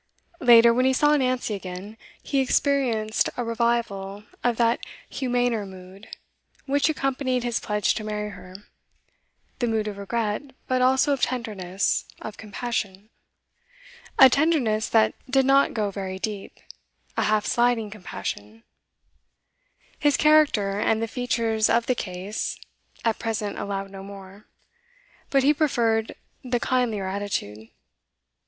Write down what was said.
Later, when he saw Nancy again, he experienced a revival of that humaner mood which accompanied his pledge to marry her, the mood of regret, but also of tenderness, of compassion. A tenderness that did not go very deep, a half slighting compassion. His character, and the features of the case, at present allowed no more; but he preferred the kindlier attitude.